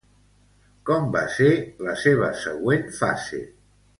Com va ser la seva següent fase?